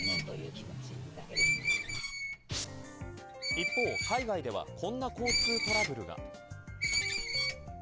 一方、海外ではこんな交通トラブルが。